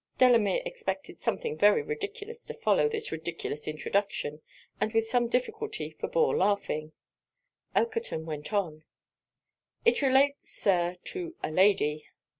Delamere expected something very ridiculous to follow this ridiculous introduction, and with some difficulty forbore laughing. Elkerton went on 'It relates, Sir, to a Lady.'